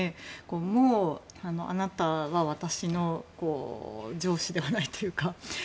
もう、あなたは私の上司ではないというか。